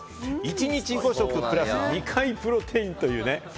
１日５食プラス２回プロテインというね。